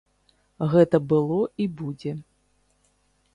Гэта было і будзе.